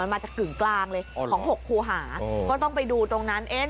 มันมาจากกึ่งกลางเลยของ๖คูหาก็ต้องไปดูตรงนั้นเอ๊ะ